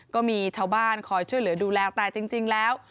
ก็มีชาวบ้านคอยช่วยเหลือดูแลแต่จริงแล้ว